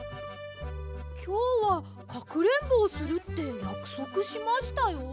きょうはかくれんぼをするってやくそくしましたよ！